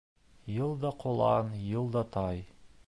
Йыл да ҡолан, йыл да тай.